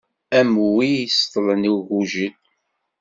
Am wi iseṭṭlen i ugujil.